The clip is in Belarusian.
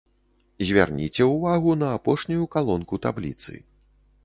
Звярніце ўвагу на апошнюю калонку табліцы.